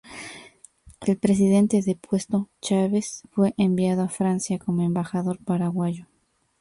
El presidente depuesto, Chaves, fue enviado a Francia como embajador paraguayo.